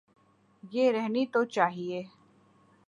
یہ رہنی تو چاہیے۔